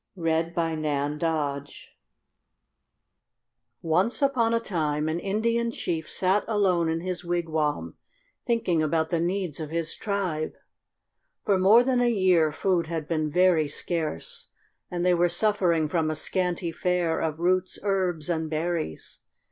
ORIGIN OF INDIAN CORN Once upon a time an Indian chief sat alone in his wigwam thinking about the needs of his tribe. For more than a year food had been very scarce, and they were suffering from a scanty fare of roots, herbs, and berries.